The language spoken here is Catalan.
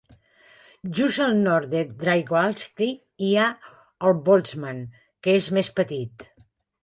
Just al nord de Drygalski hi ha el Boltzmann, que és més petit.